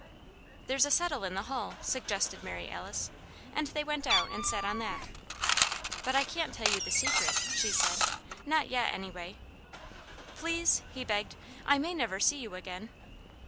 "There's a settle in the hall," suggested Mary Alice. And they went out and sat on that. "But I can't tell you the Secret," she said. "Not yet, anyway." "Please!" he begged. "I may never see you again."